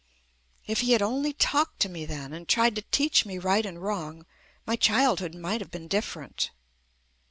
If he had only talked to me then and tried to teach me right and wrong my childhood might have been different.